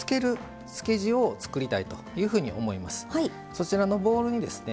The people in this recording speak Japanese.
そちらのボウルにですね